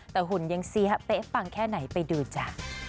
แต่หุ่นยังเสียเป๊ะปังแค่ไหนไปดูจ้ะ